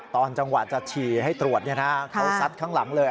ตอนจังหวะจะฉี่ให้ตรวจเขาซัดข้างหลังเลย